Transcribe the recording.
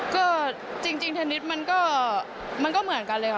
ก็จริงเทนนิสมันก็เหมือนกันเลยค่ะ